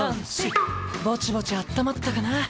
ぼちぼちあったまったかな。